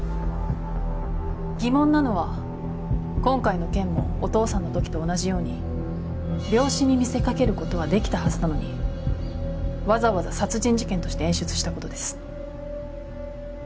疑問なのは今回の件もお父さんのときと同じように病死に見せかけることはできたはずなのにわざわざ殺人事件として演出したことです。